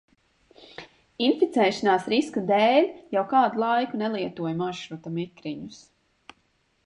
Inficēšanās risku dēļ jau kādu laiku nelietoju maršruta mikriņus.